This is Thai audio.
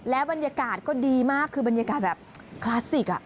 บรรยากาศก็ดีมากคือบรรยากาศแบบคลาสสิก